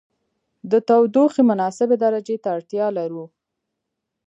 د تودوخې مناسبې درجې ته اړتیا لرو.